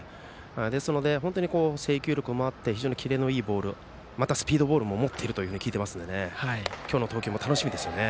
ですので、制球力もあってキレのいいボールまた、スピードボールも持っていると聞いているので今日の投球も楽しみですね。